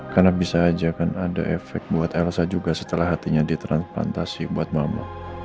karena bisa aja kan ada efek buat elsa juga setelah hatinya ditransplantasi buat mama